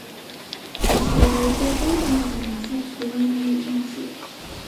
そして、両手をベンチの背に乗せ、公園を見回す